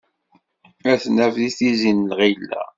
Ad t-naf, di tizi n lɣila.